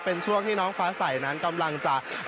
เป็นช่วงน้องฟ้าใสกำลังจะ